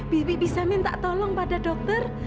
bibi bisa minta tolong pada dokter